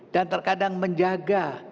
dan terkadang menjaga